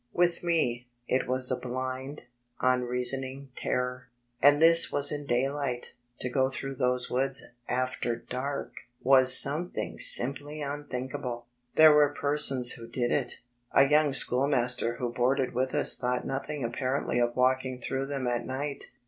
With me, it was a blind, unreasonitig terror. And this was in daylight; to go through those woods after dark was somethitig simply unthinkable. There were persons who did it. A young schoolmaster who boarded with us thought nothing apparendy of walking through them at night.